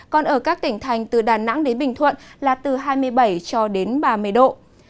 còn ở các tỉnh thành từ đà nẵng đến bình thuận là từ hai mươi bảy cho đến ba mươi độ